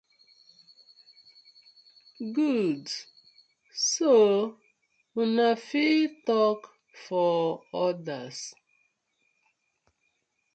Good so una fit tok for others.